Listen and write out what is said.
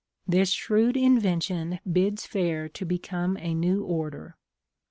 This shrewd invention bids fair to become a new order.